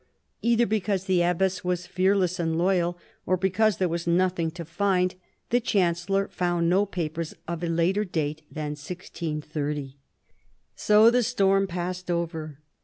Either because the Abbess was fearless and loyal, or because there was nothing to find the Chancellor found no papers of a later date than 1630. So the storm passed over.